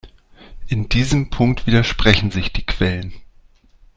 In diesem Punkt widersprechen sich die Quellen.